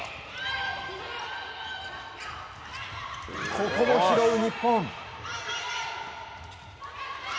ここも拾う日本。